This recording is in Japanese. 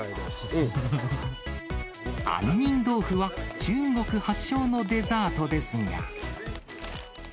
杏仁豆腐は、中国発祥のデザートですが。